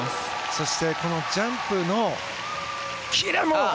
そしてジャンプのキレも。